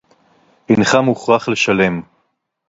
אינך מוכרח לשלם.